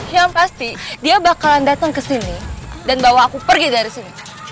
yang pasti dia bakalan datang ke sini dan bawa aku pergi dari sini